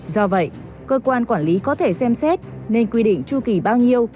do vậy cơ quan quản lý có thể xem xét nên quy định tru kỷ bao nhiêu